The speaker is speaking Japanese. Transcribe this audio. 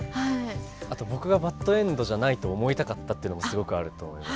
あと僕がバッドエンドじゃないと思いたかったっていうのもすごくあると思います。